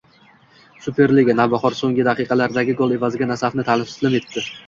Superliga. “Navbahor” so‘nggi daqiqalardagi gol evaziga “Nasaf”ni taslim etdi